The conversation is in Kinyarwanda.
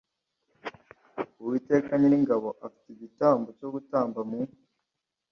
Uwiteka Nyiringabo afite igitambo cyo gutamba mu